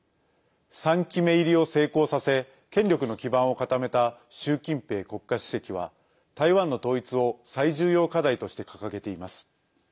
３期目入りを成功させ権力の基盤を固めた習近平国家主席は台湾の統一を最重要課題として掲げています。